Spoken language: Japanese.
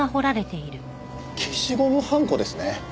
消しゴムはんこですね。